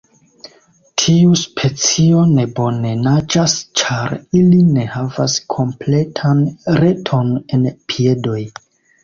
Tiu specio ne bone naĝas ĉar ili ne havas kompletan reton en piedoj.